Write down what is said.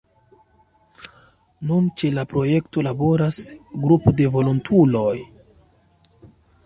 Nun ĉe la projekto laboras grupo de volontuloj.